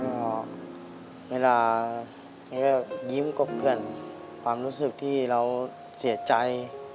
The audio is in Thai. ก็เวลาแกก็ยิ้มกบเพื่อนความรู้สึกที่เราเสียใจ